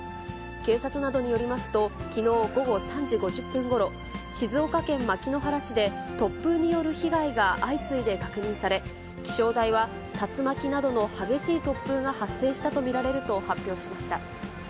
警察などによりますと、きのう午後３時５０分ごろ、静岡県牧之原市で、突風による被害が相次いで確認され、気象台は、竜巻などの激しい突風が発生したと見られると発表しました。